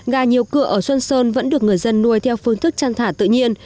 gà nhiều cửa ở xuân sơn vẫn được người dân nuôi theo phương thức chăn thả tự nhiên